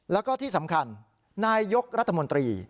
แล้วก็ที่สำคัญนายยกรัฐมนตรี